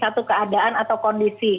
satu keadaan atau kondisi